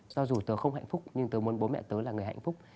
do dù tớ không hạnh phúc nhưng tớ muốn bố mẹ tớ là người hạnh phúc